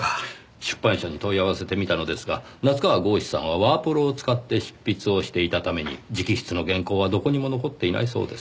出版社に問い合わせてみたのですが夏河郷士さんはワープロを使って執筆をしていたために直筆の原稿はどこにも残っていないそうです。